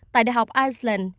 tại đại học iceland